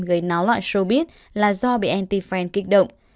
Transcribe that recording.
gây náo loại showbiz là do bị anti fan kích động